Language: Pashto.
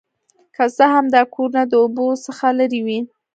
که څه هم دا کورونه د اوبو څخه لرې وي